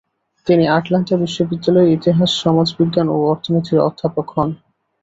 তিনি আটলান্টা বিশ্ববিদ্যালয়ে ইতিহাস সমাজবিজ্ঞান ও অর্থনীতির অধ্যাপক হন।